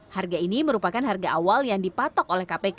harga ini merupakan harga awal yang dipatok oleh kpk